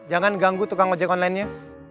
jangan ganggu tukang ojek online nya